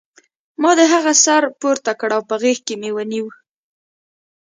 ما د هغې سر پورته کړ او په غېږ کې مې ونیو